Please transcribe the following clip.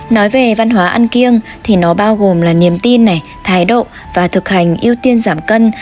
nói về văn hóa ăn kiêng thì nó bao gồm là niềm tin này thái độ và thực hành ưu tiên giảm cân